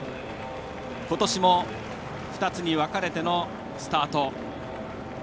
ことしも、２つに分かれてのスタート。